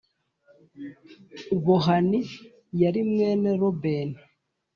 Bohani yari mwene Rubeni